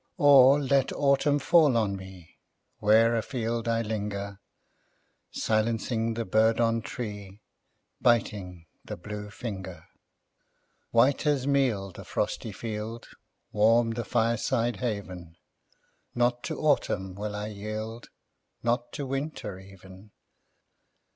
Or let autumn fall on me Where afield I linger, Silencing the bird on tree, Biting the blue finger. White as meal the frosty field Warm the fireside haven Not to autumn will I yield, Not to winter even!